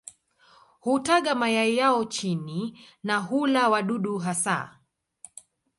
Hutaga mayai yao chini na hula wadudu hasa.